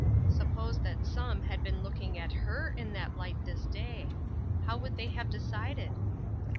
Suppose that some had been looking at her in that light this day? How would they have decided?